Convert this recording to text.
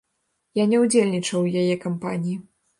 Я не ўдзельнічаў у яе кампаніі.